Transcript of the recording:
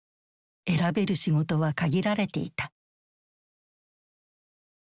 選べる仕事は限られていた。